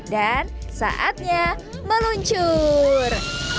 dan saatnya meluncur